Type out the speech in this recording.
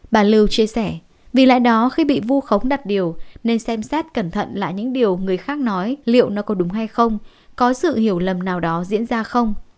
bà lưu chia sẻ vì lẽ đó khi bị vu khống đặt điều nên xem xét cẩn thận lại những điều người khác nói liệu nó có đúng hay không có sự hiểu lầm nào đó diễn ra không